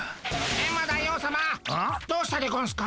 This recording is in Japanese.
エンマ大王さまどうしたでゴンスか？